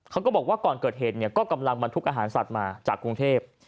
เขาก็บอกว่าก่อนเกิดเหตุเนี่ยก็กำลังบรรทุกอาหารสัตว์มาจากกรุงเทพ